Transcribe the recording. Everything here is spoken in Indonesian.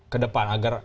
ke depan agar